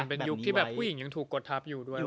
เป็นยุคที่แบบผู้หญิงยังถูกกดทับอยู่ด้วย